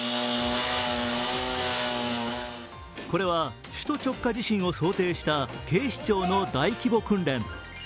これは首都直下地震を想定した警視庁の大規模訓練。